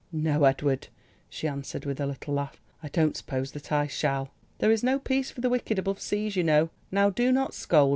"No, Edward," she answered with a little laugh. "I don't suppose that I shall. There is no peace for the wicked above seas, you know. Now do not scold.